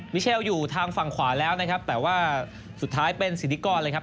วิเชลอยู่ทางฝั่งขวาแล้วนะครับ